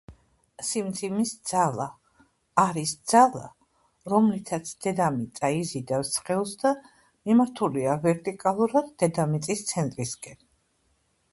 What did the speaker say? სიმძიმის ძალა არის ძალა, რომლითაც დედამიწა იზიდავს სხეულს და მიმართულია ვერტიკალურად დედამიწის ცენტრისკენ